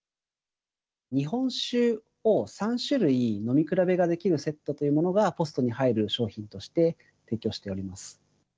日本酒を３種類飲み比べができるセットというものが、ポストに入る商品として、提供しております。